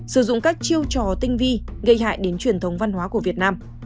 sử dụng các chiêu trò tinh vi gây hại đến truyền thống văn hóa của việt nam